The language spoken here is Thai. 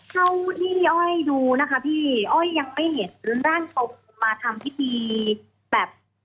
เท่าที่พี่อ้อยดูนะคะพี่อ้อยยังไม่เห็นร่างเขามาทำพิธีแบบ